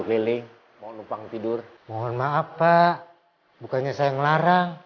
kalau mau ya segitu